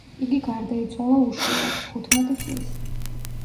იგი გარდაიცვალა უშვილოდ, თხუთმეტი წლის.